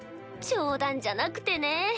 冗談じゃなくてね。